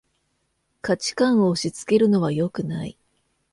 価値観を押しつけるのはよくない